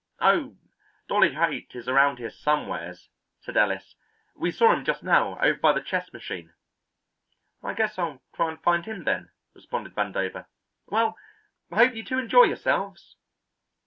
"Oh, Dolly Haight is around here somewheres," said Ellis. "We saw him just now over by the chess machine." "I guess I'll try and find him, then," responded Vandover. "Well, I hope you two enjoy yourselves."